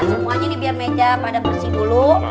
semuanya ini biar meja pada bersih dulu